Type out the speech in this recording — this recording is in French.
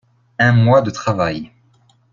Un mois de travail.